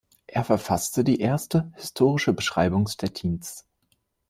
Er verfasste die erste historische Beschreibung Stettins.